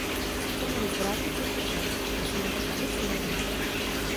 Chceme-li zvrátit tento trend, musíme být ambiciózní.